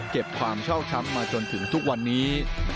ความเช่าช้ำมาจนถึงทุกวันนี้